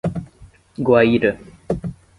Guaíra